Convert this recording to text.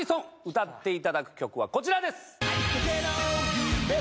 歌っていただく曲はこちらです。